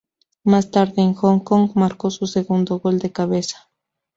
Más tarde, en Hong Kong, marcó su segundo gol de cabeza.